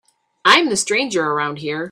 I'm the stranger around here.